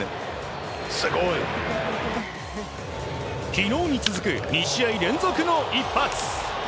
昨日に続く２試合連続の一発。